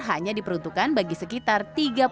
hanya diperuntukkan bagi sekitar satu vaksin